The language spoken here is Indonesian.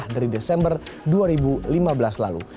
dari desember dua ribu lima belas lalu